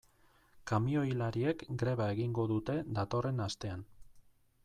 Kamioilariek greba egingo dute datorren astean.